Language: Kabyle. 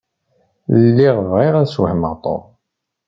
Lliɣ bɣiɣ ad sswehmeɣ Tom.